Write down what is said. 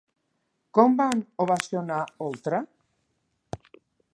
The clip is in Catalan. Com van ovacionar Oltra?